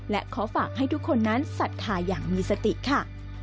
และขอฝากให้ทุกคนนั้นศรัทธาอย่างมีสติค่ะ